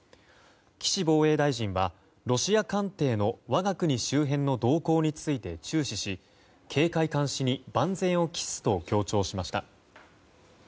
岸防衛大臣はロシア艦艇の我が国周辺の動向について注視し警戒監視に万全を期すと強調しました。